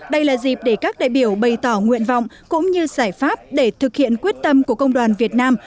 đây là dịp để các đại biểu bày tỏ nguyện vọng cũng như giải pháp để thực hiện quyết tâm của công đoàn việt nam